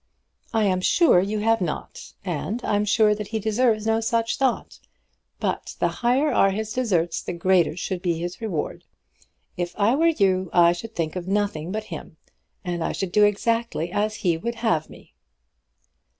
"I am sure you have not; and I'm sure that he deserves no such thought; but the higher that are his deserts, the greater should be his reward. If I were you, I should think of nothing but him, and I should do exactly as he would have me."